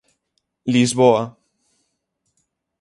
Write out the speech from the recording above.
Lisboa.